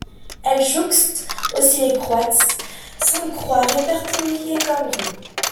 Elle jouxte aussi les cloîtres Sainte-Croix répertoriés comme rue.